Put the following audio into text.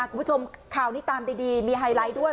คุณผู้ชมข่าวนี้ตามดีมีไฮไลท์ด้วย